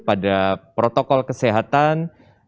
pada protokol kesehatan